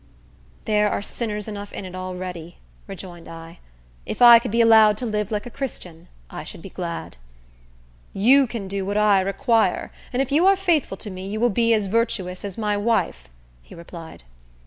"There are sinners enough in it already," rejoined I. "If I could be allowed to live like a Christian, I should be glad." "You can do what I require; and if you are faithful to me, you will be as virtuous as my wife," he replied.